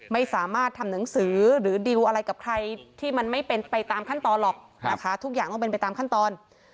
ไม่สามารถทำหนังสือหรือดิวอะไรกับใครที่มันไม่เป็นไปตามขั้นตอนหรอกนะคะทุกอย่างต้องเป็นไปตามขั้นตอน